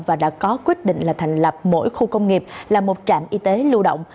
và đã có quyết định là thành lập mỗi khu công nghiệp là một trạm y tế lưu động